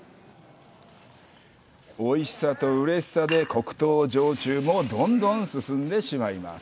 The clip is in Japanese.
おいしさとうれしさで黒糖焼酎もどんどん進んでしまいます。